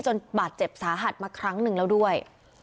บาดเจ็บสาหัสมาครั้งหนึ่งแล้วด้วย